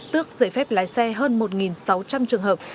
tước giấy phép lái xe hơn một sáu trăm linh trường hợp